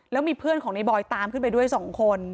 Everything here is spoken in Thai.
แล้วมีเพื่อนของในบอยตามขึ้นไปด้วย๒คน